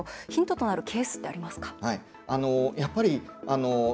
ヒントとなるケースってありますか？